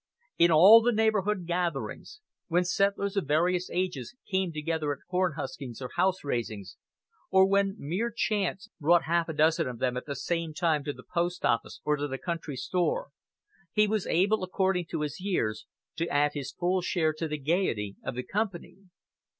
In all the neighborhood gatherings, when settlers of various ages came together at corn huskings or house raisings, or when mere chance brought half a dozen of them at the same time to the post office or the country store, he was able, according to his years, to add his full share to the gaiety of the company.